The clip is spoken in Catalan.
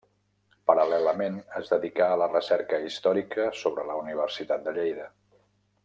Paral·lelament, es dedicà a la recerca històrica sobre la Universitat de Lleida.